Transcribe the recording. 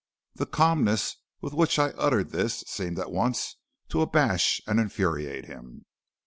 "The calmness with which I uttered this seemed at once to abash and infuriate him.